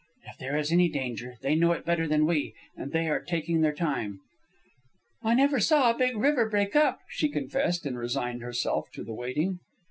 "If there is any danger, they know it better than we, and they are taking their time." "I never saw a big river break up," she confessed, and resigned herself to the waiting.